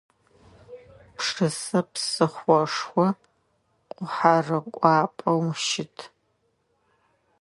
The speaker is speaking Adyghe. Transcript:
Пшызэ псыхъошхо, къухьэрыкӏуапӏэу щыт.